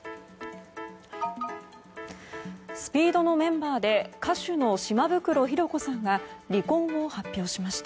ＳＰＥＥＤのメンバーで歌手の島袋寛子さんが離婚を発表しました。